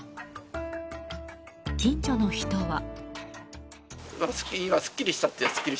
近所の人は。